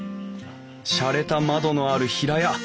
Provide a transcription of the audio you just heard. しゃれた窓のある平屋。